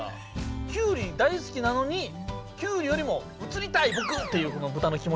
きゅうり大好きなのにきゅうりよりも「写りたいぼく！」っていうこのブタの気もちね。